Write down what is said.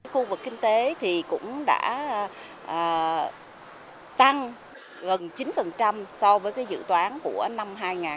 khu vực kinh tế cũng đã tăng gần chín so với dự toán của năm hai nghìn một mươi bảy